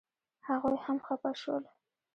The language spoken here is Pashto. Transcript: هغوی هم خپه شول.